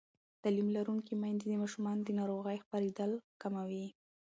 تعلیم لرونکې میندې د ماشومانو د ناروغۍ خپرېدل کموي.